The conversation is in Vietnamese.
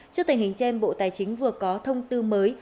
trước tình hình trên bộ tài chính vừa có thông tư mới